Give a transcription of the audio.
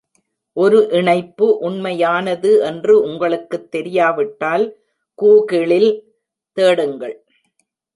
ஒரு இணைப்பு உண்மையானது என்று உங்களுக்குத் தெரியாவிட்டால், கூகிளில் தேடுங்கள்